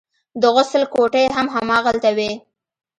د غسل کوټې هم هماغلته وې.